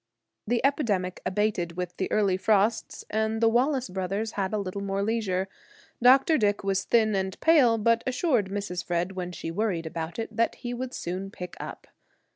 The epidemic abated with the early frosts, and the Wallace brothers had a little more leisure. Dr. Dick was thin and pale, but assured Mrs. Fred, when she worried about it, that he would soon pick up.